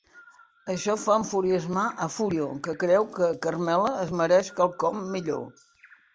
Això va enfurismar a Furio, que creu que Carmela es mereix quelcom millor.